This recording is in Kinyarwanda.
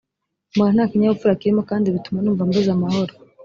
mbona nta kinyabupfura kirimo kandi bituma numva mbuze amahoro